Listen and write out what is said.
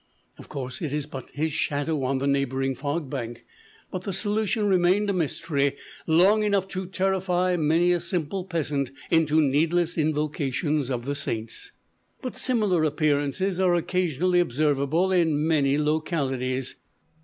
Of course, it is but his shadow on a neighboring fog bank; but the solution remained a mystery long enough to terrify many a simple peasant into needless invocations of the saints. But similar appearances are occasionally observable in many localities.